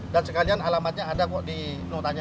dan sekalian alamatnya ada kok di notanya